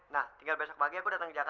nah tinggal besok pagi aku datang ke jakarta